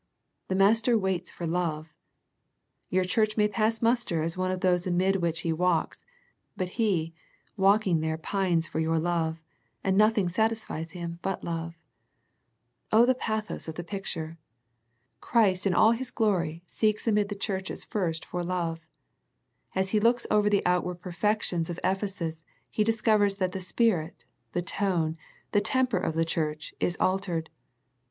The Master waits for love. Your church may pass muster as one of those amid which He walks ; but He, walking there pines for your love, and nothing satisfies Him but love. Oh the pathos of the 4^ A First Century Message picture! Christ in all His glory seeks amid the churches first for love. As He looks over the outward perfections of Ephesus He dis covers that the spirit, the tone, the temper of the church is altered.